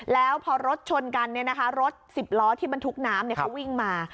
แล้วพอรถชนกันรถ๑๐ล้อที่บรรทุกน้ำเขาวิ่งมา